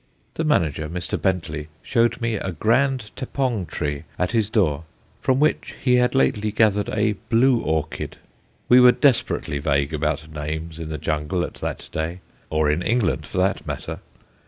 The manager, Mr. Bentley, showed me a grand tapong tree at his door from which he had lately gathered a "blue orchid," we were desperately vague about names in the jungle at that day, or in England for that matter.